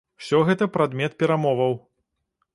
Усё гэта прадмет перамоваў.